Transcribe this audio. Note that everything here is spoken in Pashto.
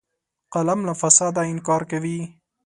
قلم له فساده انکار کوي